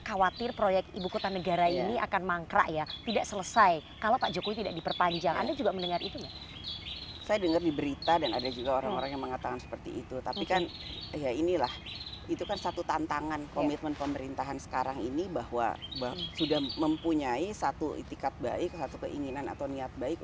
kemudian tidak selesai dan berujung kembali